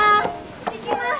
いってきます。